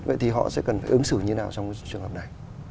vậy thì họ sẽ cần phải ứng xử như thế nào trong cái trường hợp này